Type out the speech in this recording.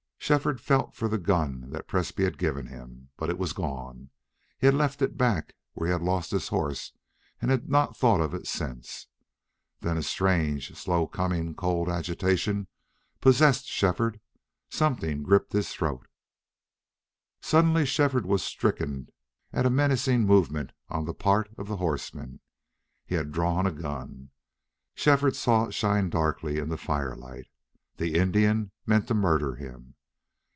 Shefford felt for the gun that Presbrey had given him. But it was gone. He had left it back where he had lost his horse, and had not thought of it since. Then a strange, slow coming cold agitation possessed Shefford. Something gripped his throat. Suddenly Shefford was stricken at a menacing movement on the part of the horseman. He had drawn a gun. Shefford saw it shine darkly in the firelight. The Indian meant to murder him.